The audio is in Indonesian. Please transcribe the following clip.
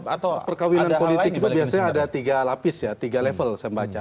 atau perkawinan politik juga biasanya ada tiga lapis ya tiga level saya baca